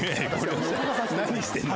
何してんの？